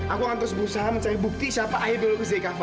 aku akan terus berusaha mencari bukti siapa ayah biologis dari kava